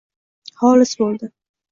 Xolis bo’ldi